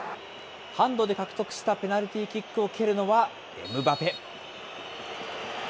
ハンドで獲得したペナルティーキックを蹴るのはエムバペ。